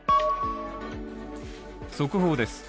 速報です。